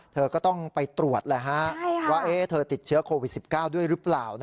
เธอก็ต้องไปตรวจว่าเธอติดเชื้อโควิด๑๙ด้วยหรือเปล่า